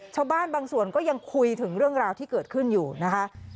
ชาวบ้านบางส่วนก็ยังคุยถึงเรื่องราวที่เกิดขึ้นอยู่นะคะ